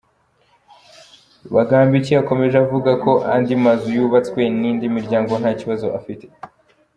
Bagambiki yakomeje avuga ko andi mazu yubatswe n’indi miryango nta kibazo afite.